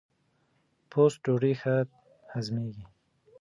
ټوسټ ډوډۍ ښه هضمېږي.